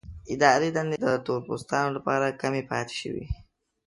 اداري دندې د تور پوستانو لپاره کمې پاتې شوې.